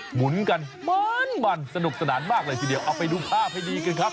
หนุนกันมันสนุกสนานมากเลยทีเดียวเอาไปดูภาพให้ดีกันครับ